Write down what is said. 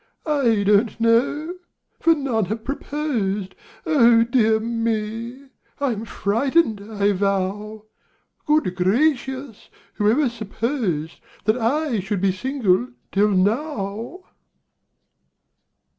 I don't know for none have proposed Oh, dear me! I'm frightened, I vow! Good gracious! who ever supposed That I should be single till now?